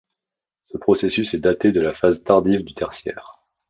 Ce processus est daté de la phase tardive du Tertiaire.